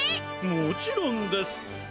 もちろんです。